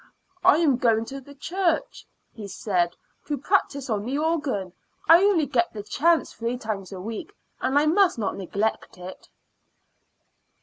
"I am going to the church," he said, "to practice on the organ. I only get the chance three times a week, and I must not neglect it."